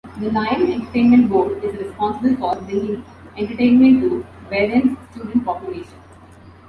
The Lion Entertainment Board is responsible for bringing entertainment to Behrend's student population.